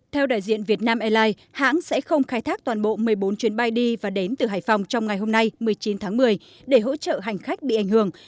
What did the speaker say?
theo đại diện việt nam airlines hãng sẽ không khai thác toàn bộ một mươi bốn chuyến bay đi và đến từ hải phòng trong ngày hôm nay một mươi chín tháng một mươi để hỗ trợ hành khách bị ảnh hưởng